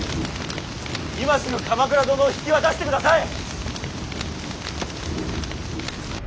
今すぐ鎌倉殿を引き渡してください！